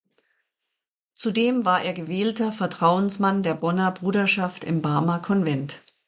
Zudem war er gewählter Vertrauensmann der Bonner Bruderschaft im Barmer Konvent.